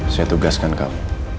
saya tugaskan kamu